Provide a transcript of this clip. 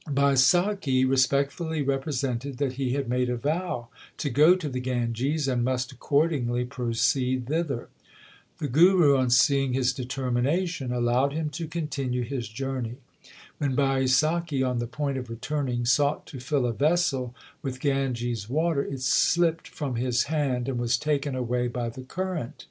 Baisakhi respectfully represented that he had made a vow to go to the Ganges, and must accordingly proceed thither. The Guru, on seeing his determination, allowed him to continue his journey. When Baisakhi on the point of returning sought to fill a vessel with Ganges water, it slipped from his hand and was taken away by the current.